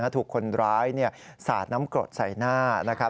ถูกคนร้ายสาดน้ำกรดใส่หน้า